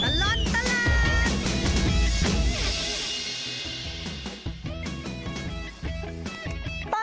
ช่วงตลอดตลาด